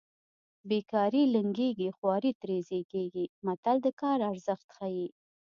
بې کاري لنګېږي خواري ترې زېږېږي متل د کار ارزښت ښيي